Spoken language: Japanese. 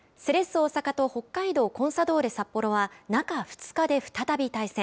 大阪と北海道コンサドーレ札幌は中２日で再び対戦。